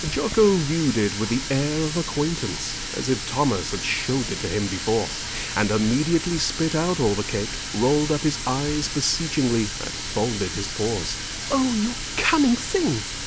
Jocko viewed it with the air of acquaintance, as if Thomas had showed it to him before, and immediately spit out all the cake, rolled up his eyes beseechingly, and folded his paws. "Oh, you cunning thing!"